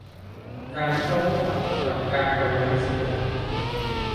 การเข้างวดกับการปล่อยน้ำเสีย